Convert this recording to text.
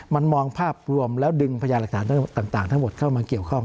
มันมองภาพรวมแล้วดึงพยานหลักฐานต่างทั้งหมดเข้ามาเกี่ยวข้อง